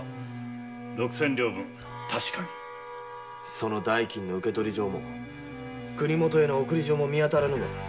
その代金の受け取り状も送り状も見あたらぬが？